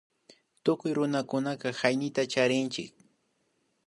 Tukuy runakunaka hayñita charinchik